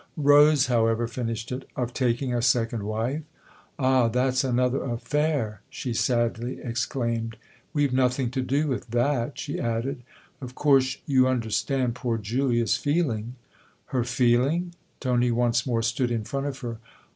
Rose, however, finished it. " Of taking a second wife ? Ah, that's another affair !" she sadly exclaimed. " We've nothing to do with that," she added. " Ot course you understand poor Julia's feeling." " Her feeling ?" Tony once more stood in front of her.